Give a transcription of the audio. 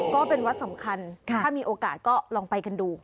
ก็เป็นวัดสำคัญถ้ามีโอกาสก็ลองไปกันดู